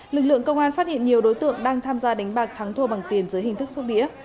lực lượng công an phát hiện nhiều đối tượng đang tham gia đánh bạc thắng thua bằng tiền dưới hình thức sóc đĩa